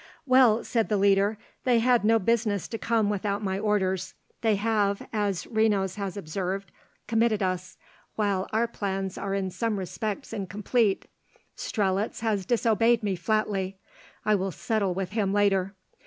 "Well," said the leader, "they had no business to come without my orders; they have, as Renos has observed, committed us, while our plans are in some respects incomplete. Strelitz has disobeyed me flatly; I will settle with him later.